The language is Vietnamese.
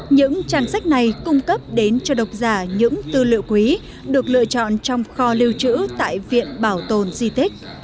những trang sách này cung cấp đến cho độc giả những tư liệu quý được lựa chọn trong kho lưu trữ tại viện bảo tồn di tích